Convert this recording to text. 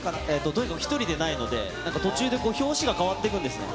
とにかく１人じゃないので、途中で拍子が変わっていくんですね。